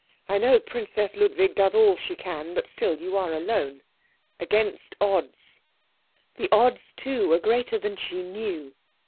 I know Princess Ludwig does all she can, but still you are alone against odds." The odds, too, were greater than she knew.